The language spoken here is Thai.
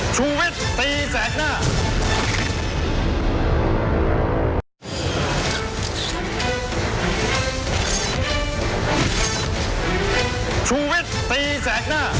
ชูวิทย์ตีแสกหน้า